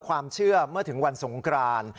ความเชื่อเมื่อถึงวันสงคราน